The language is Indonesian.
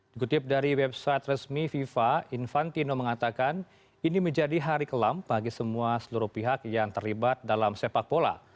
dikutip dari website resmi fifa infantino mengatakan ini menjadi hari kelam bagi semua seluruh pihak yang terlibat dalam sepak bola